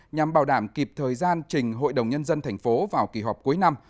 nhằm bảo đảm kịp thời gian trình hội đồng nhân dân tp hcm vào kỳ họp cuối năm